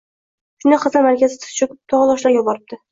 Shunda qizlar malikasi tiz choʼkib, togʼu toshlarga yolvoribdi.